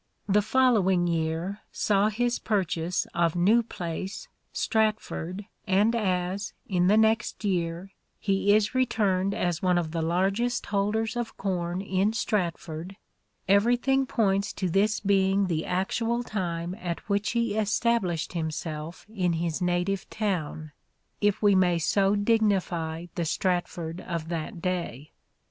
The following year saw his purchase of New Place, Stratford, and as, in the next year, he is returned as one of the largest holders of corn in Stratford, everything points to this being the actual time at which he established himself in his native town — if we may so dignify the Stratford of that day.